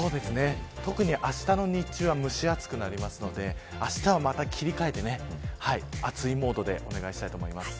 特にあしたの日中は蒸し暑くなりそうですのであしたはまた切り替えて暑いモードでお願いしたいと思います。